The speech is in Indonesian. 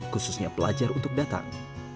khususnya pelajar untuk datang